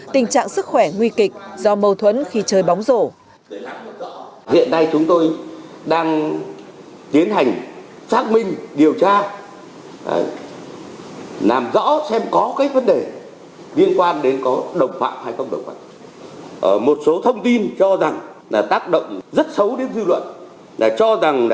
tình trạng sức khỏe nguy kịch do mâu thuẫn khi chơi bóng rổ